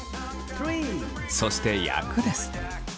そして焼くです。